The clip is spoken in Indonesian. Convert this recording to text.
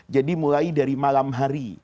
jadi mulai dari malam hari